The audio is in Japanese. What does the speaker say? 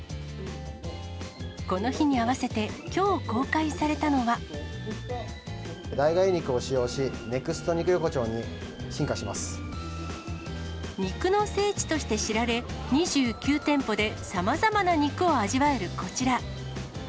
この日に合わせて、きょう、代替肉を使用し、ＮＥＸＴ肉肉の聖地として知られ、２９店舗でさまざまな肉を味わえるこちら。